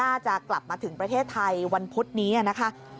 จะกลับมาถึงประเทศไทยวันพุธนี้นะคะ